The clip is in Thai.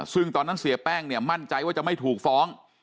ซึ่งตอนนั้นเสียแป้งเนี่ยมั่นใจว่าจะไม่ถูกฟ้อง